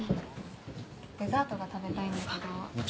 デザートが食べたいんだけど。